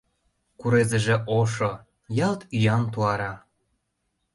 Курезыже ошо — ялт ӱян туара.